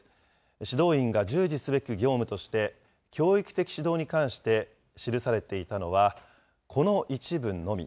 指導員が従事すべき業務として、教育的指導に関して記されていたのは、この一文のみ。